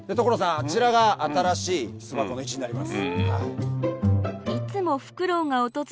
あちらが新しい巣箱の位置になります。